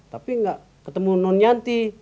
tapi nggak ketemu non yanti